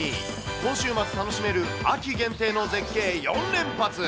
今週末楽しめる秋限定の絶景４連発。